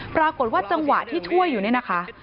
ปรากฏว่าจังหวะที่ช่วยอยู่เนี่ยนะคะ